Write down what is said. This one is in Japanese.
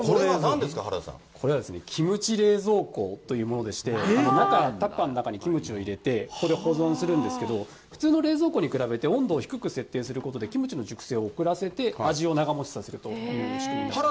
これはですね、キムチ冷蔵庫というものでして、タッパの中にキムチを入れてここで保存するんですけど、普通の冷蔵庫に比べて温度を低く設定することで、キムチの熟成を遅らせて、味を長持ちさせるという仕組みになっています。